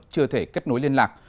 chưa thể kết nối liên lạc